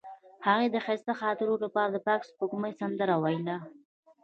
هغې د ښایسته خاطرو لپاره د پاک سپوږمۍ سندره ویله.